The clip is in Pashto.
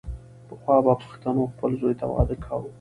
پخوا به پښتنو خپل زوی ته واده کاوو.